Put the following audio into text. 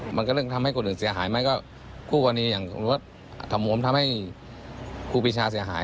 มันก็เรื่องทำให้คนอื่นเสียหายไหมก็คู่กรณีอย่างรถถมวมทำให้ครูปีชาเสียหาย